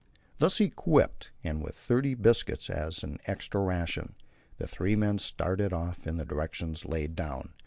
Thus equipped, and with thirty biscuits as an extra ration, the three men started off in the directions laid down.